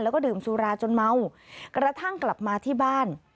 แล้วก็ดื่มสุราจนเมากระทั่งกลับมาที่บ้าน